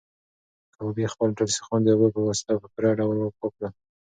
کبابي خپل ټول سیخان د اوبو په واسطه په پوره ډول پاک کړل.